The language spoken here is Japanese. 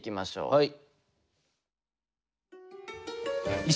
はい。